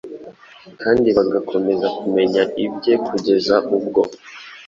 kandi bagakomeza kumenya ibye kugeza ubwo